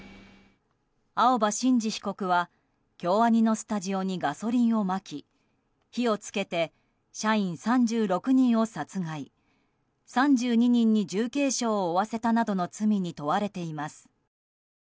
青葉真司被告は京アニのスタジオにガソリンをまき火をつけて社員３６人を殺害３２人に重軽傷を負わせたなどの罪に問われています。